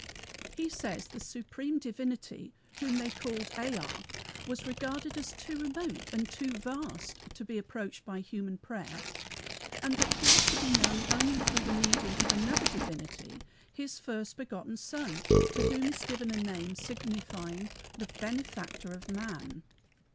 He says the supreme divinity, whom they called EA, was regarded as too remote and too vast to be approached by human prayer, and that he was to be known only through the medium of another divinity, his first begotten Son, to whom is given a name signifying the Benefactor of Man.